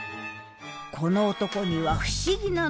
この男には不思議な「能力」が。